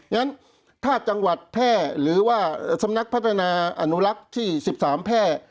งั้นถ้าจังหวัดแพร่หรือว่าสำนักพัฒนาอนุรักษ์ที่๑๓แพร่